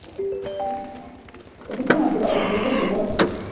udutangira ubugingo bwe na roho